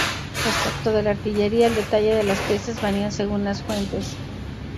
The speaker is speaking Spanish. Respecto de la artillería, el detalle de las piezas varía según las fuentes.